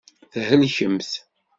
Thelkemt.